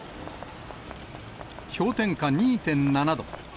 氷点下２．７度。